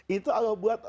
itu allah buat